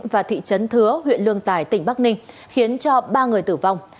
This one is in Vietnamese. và thị trấn thứa huyện lương tài tỉnh bắc ninh khiến cho ba người tử vong